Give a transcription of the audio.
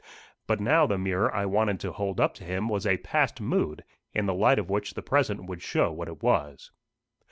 But now the mirror I wanted to hold up to him was a past mood, in the light of which the present would show what it was.